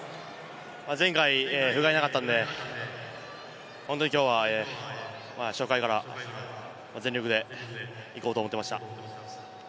前回ふがいなかったんで、本当にきょうは初回から全力で行こうと思ってました。